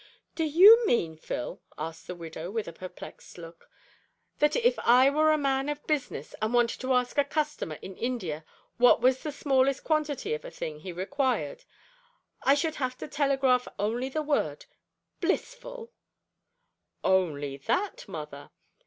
'" "Do you mean, Phil," asked the widow, with a perplexed look, "that if I were a man of business, and wanted to ask a customer in India what was the smallest quantity of a thing he required, I should have to telegraph only the word `_Blissful_'?" "Only that, mother.